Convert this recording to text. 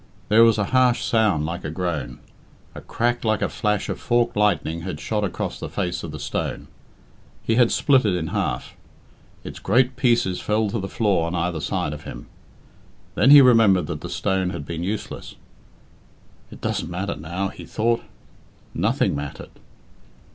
There was a harsh sound like a groan. A crack like a flash of forked lightning had shot across the face of the stone. He had split it in half. Its great pieces fell to the floor on either side of him. Then he remembered that the stone had been useless. "It doesn't matter now," he thought. Nothing mattered.